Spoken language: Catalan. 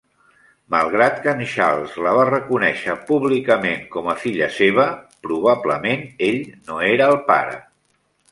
Malgrat que en Charles la va reconèixer públicament com a filla seva, probablement ell no era el pare.